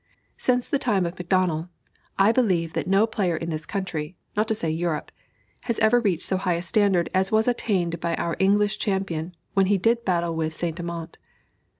Since the time of M'Donnell, I believe that no player in this country not to say Europe has ever reached so high a standard as was attained by our English champion when he did battle with St. Amant.